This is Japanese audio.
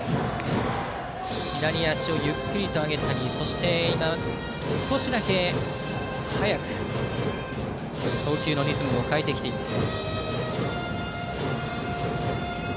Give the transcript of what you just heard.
左足をゆっくりと上げたりそして、少しだけ早く投球のリズムを変えてきています。